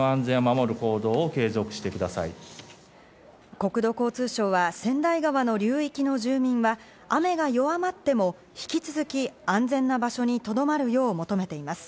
国土交通省は、川内川の流域の住民は雨が弱まっても、引き続き安全な場所に留まるよう求めています。